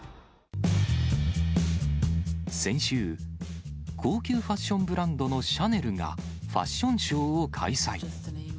先週、高級ファッションブランドのシャネルが、ファッションショーを開催。